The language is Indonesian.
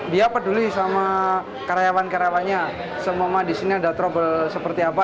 dia peduli sama karyawan karyawannya semua mah disini ada trouble seperti apa